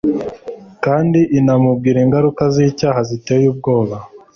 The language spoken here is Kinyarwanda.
kandi inamubwira ingaruka z'icyaha ziteye ubwoba